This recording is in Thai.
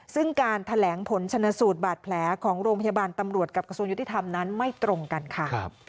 ซึ่งการแถลงผลชนสูตรบาดแผลของโรงพยาบาลตำรวจกับกระทรวงยุติธรรมนั้นไม่ตรงกันค่ะ